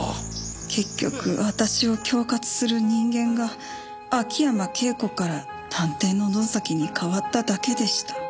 結局私を恐喝する人間が秋山圭子から探偵の野崎に変わっただけでした。